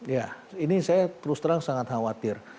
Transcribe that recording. ya ini saya terus terang sangat khawatir